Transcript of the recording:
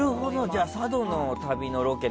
じゃあ、佐渡の旅のロケ